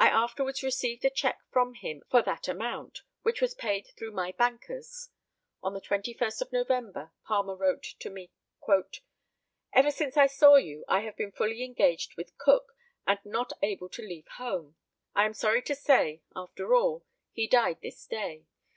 I afterwards received a cheque from him for that amount, which was paid through my bankers. On the 21st of November Palmer wrote to me: "Ever since I saw you I have been fully engaged with Cook, and not able to leave home. I am sorry to say, after all, he died this day.